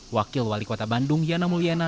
wakil wali kota bandung yana mulyana